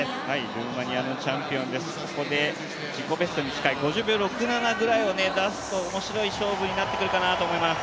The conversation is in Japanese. ルーマニアのチャンピオンです、ここで自己ベストに近い５７秒くらいを出せるとおもしろい勝負になってくるかなと思います。